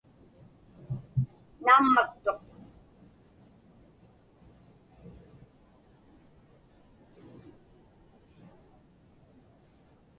Naammaktuq.